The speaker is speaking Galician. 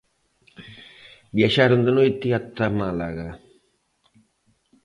Viaxaron de noite ata Málaga.